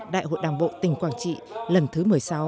đại hội đảng bộ tỉnh quảng trị lần thứ một mươi sáu